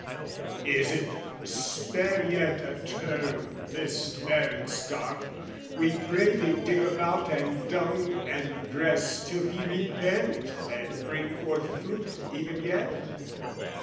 Is it "Spare yet a term this barren stock, "We pray thee dig about and dung and dress "Till he repent and bring forth fruit even yet?"